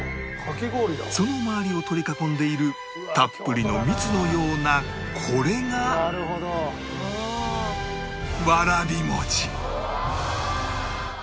その周りを取り囲んでいるたっぷりの蜜のようなこれがわらび餅